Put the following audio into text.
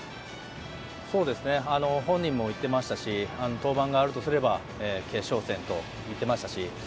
本人も言ってましたし登板があるとすれば決勝戦と言ってましたし。